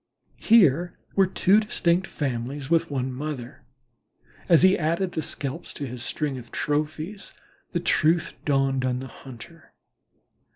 Here were two distinct families with one mother, and as he added their scalps to his string of trophies the truth dawned on the hunter.